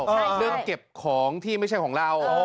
เรื่องเก็บของที่ไม่ใช่ของเรา